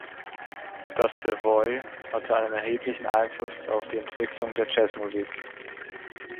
Das Savoy hatte einen erheblichen Einfluss auf die Entwicklung der Jazzmusik.